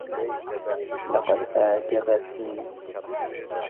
لقد أعجبتني.